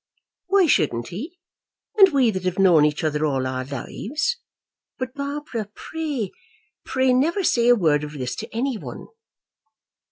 "Why shouldn't he, and we that have known each other all our lives? But, Barbara, pray, pray never say a word of this to any one!"